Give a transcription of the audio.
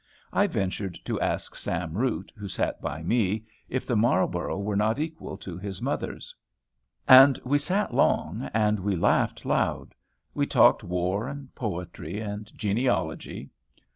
I ventured to ask Sam Root, who sat by me, if the Marlborough were not equal to his mother's. And we sat long; and we laughed loud. We talked war and poetry and genealogy.